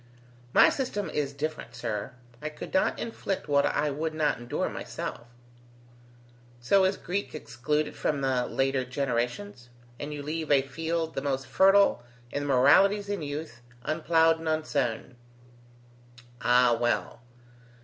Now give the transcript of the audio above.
"My system is different, sir. I could not inflict what I would not endure myself" "So is Greek excluded from the later generations; and you leave a field, the most fertile in the moralities in youth, unplowed and unsown. Ah! well.